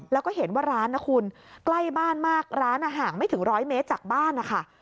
แล้วก็เห็นว่าร้านนะคุณใกล้บ้านมากร้านห่างไม่ถึงร้อยเมตรจากบ้านนะคะ